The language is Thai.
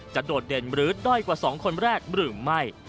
โดดเด่นหรือด้อยกว่า๒คนแรกหรือไม่